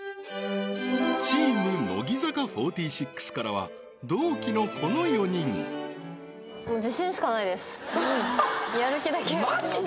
チーム乃木坂４６からは同期のこの４人ははっやる気だけはマジで？